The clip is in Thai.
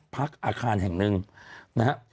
อาคารแห่งหนึ่งนะครับ